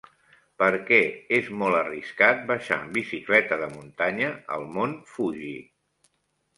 Per què és molt arriscat baixar amb bicicleta de muntanya el mont Fuji?